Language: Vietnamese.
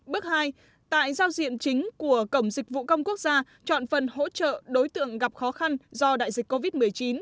bước hai tại giao diện chính của cổng dịch vụ công quốc gia chọn phần hỗ trợ đối tượng gặp khó khăn do đại dịch covid một mươi chín